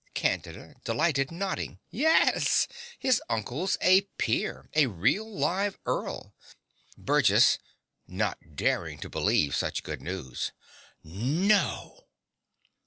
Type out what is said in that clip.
CANDIDA (delighted nodding). Yes. His uncle's a peer a real live earl. BURGESS (not daring to believe such good news). No!